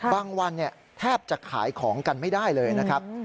วันแทบจะขายของกันไม่ได้เลยนะครับ